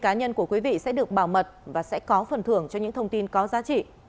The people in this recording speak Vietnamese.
các đối tượng sẽ được bảo mật và sẽ có phần thưởng cho những thông tin có giá trị